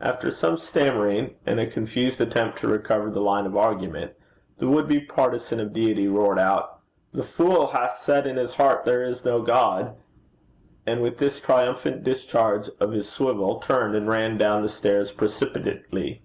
After some stammering, and a confused attempt to recover the line of argument, the would be partizan of Deity roared out, 'The fool hath said in his heart there is no God;' and with this triumphant discharge of his swivel, turned and ran down the stairs precipitately.